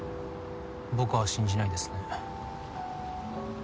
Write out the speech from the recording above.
僕は信じないですね。